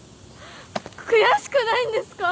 悔しくないんですか？